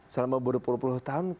selama berpuluh puluh tahun